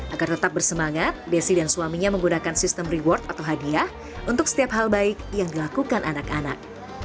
agar tetap bersemangat desi dan suaminya menggunakan sistem reward atau hadiah untuk setiap hal baik yang dilakukan anak anak